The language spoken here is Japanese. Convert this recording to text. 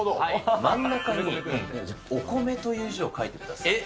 真ん中にお米という字を書いてください。